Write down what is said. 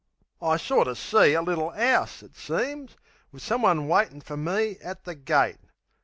I sorter see a little 'ouse, it seems, Wiv someone waitin' for me at the gate...